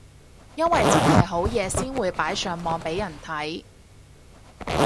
因為剩係好嘢先會擺上網俾人睇